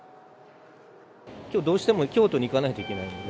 きょう、どうしても京都に行かないといけないので。